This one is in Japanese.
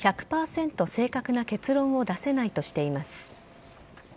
正確な結論を出せないとしています。